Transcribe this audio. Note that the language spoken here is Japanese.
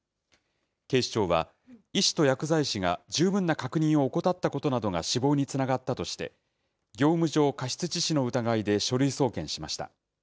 警視庁は、医師と薬剤師が十分な確認を怠ったことなどが死亡につながったとして、業務上過失致死の疑いで書類送検しました。